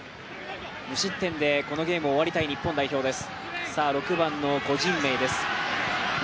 無失点でこのゲームを終わりたい日本代表です。